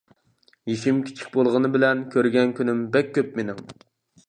يېشىم كىچىك بولغىنى بىلەن كۆرگەن كۈنۈم بەك كۆپ مىنىڭ.